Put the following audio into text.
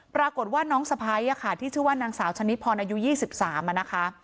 ปรากฏว่าน้องสะพ้ายที่ชื่อว่านางสาวชนิดพรอายุ๒๓นะคะ